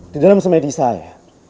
di dalam semedi saya